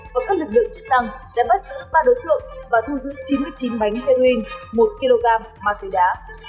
và các lực lượng chức năng đã bắt giữ ba đối tượng và thu giữ chín mươi chín bánh heroin một kg ma túy đá